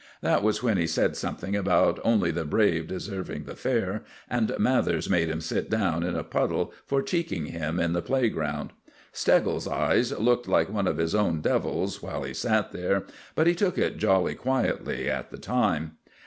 That was when he said something about only the brave deserving the fair, and Mathers made him sit down in a puddle for cheeking him in the playground. Steggles's eyes looked like one of his own devils while he sat there, but he took it jolly quietly at the time.